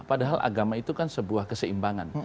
padahal agama itu kan sebuah keseimbangan